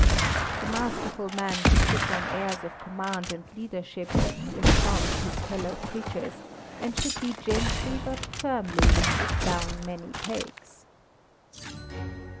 The masterful man who puts on airs of command and leadership insults his fellow creatures, and should be gently but firmly lifted down many pegs.